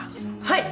はい。